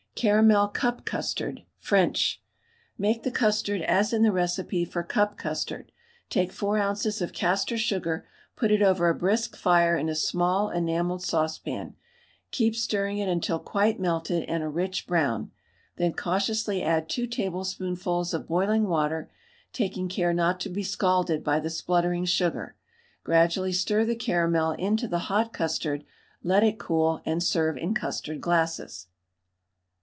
CARAMEL CUP CUSTARD (French). Make the custard as in the recipe for "Cup Custard." Take 4 oz. of castor sugar; put it over a brisk fire in a small enamelled saucepan, keep stirring it until quite melted and a rich brown. Then cautiously add 2 tablespoonfuls of boiling water, taking care not to be scalded by the spluttering sugar. Gradually stir the caramel into the hot custard. Let it cool, and serve in custard glasses.